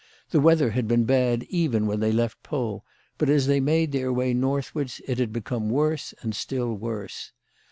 The weather had been bad even when they left Pau, but as they had made their way northwards it had become worse and still worse.